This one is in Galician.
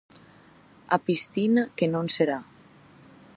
A piscina que non será.